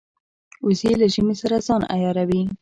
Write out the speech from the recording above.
وزې له ژمې سره ځان عیاروي